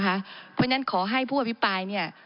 เพราะฉะนั้นขอให้ผู้อภิปรายเนี่ย